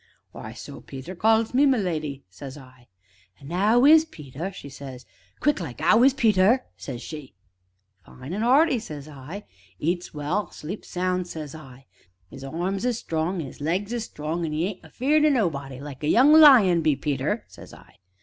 'W'y, so Peter calls me, my leddy,' says I. 'An' 'ow is Peter?' she says, quick like; ''ow is Peter?' says she. 'Fine an' 'earty,' says I; 'eats well an' sleeps sound,' says I; ''is arms is strong an' 'is legs is strong, an' 'e aren't afeared o' nobody like a young lion be Peter,' says I.